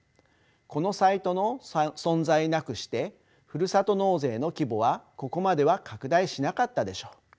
このサイトの存在なくしてふるさと納税の規模はここまでは拡大しなかったでしょう。